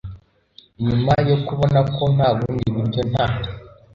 Nyuma yo kubona ko nta bundi buryo nta